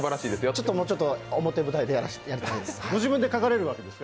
ちょっと、もうちょっと表舞台で頑張りたいです。